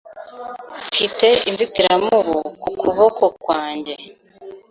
Mfite inzitiramubu ku kuboko kwanjye.